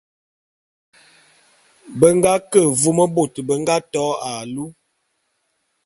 Be nga ke vôm bôt bé nga to alu.